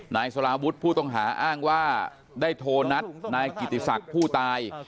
นายสลาวุฒิผู้ต้องหาอ้างว่าได้โทรนัดนายกิติศักดิ์ผู้ตาย